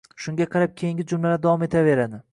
Shunga qarab keyingi jumlalar davom etaveradi.